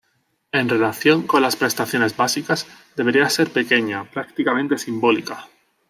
En relación con las prestaciones básicas, debería ser pequeña, prácticamente simbólica.